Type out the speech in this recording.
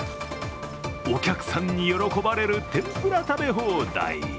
お客さんに喜ばれる天ぷら食べ放題。